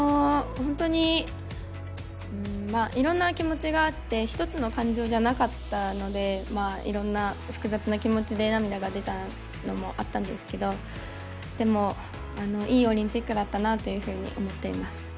本当にいろんな気持ちがあって一つの感情じゃなかったのでいろんな複雑な気持ちで涙が出たのもあったんですけどでもいいオリンピックだったなというふうに思っています。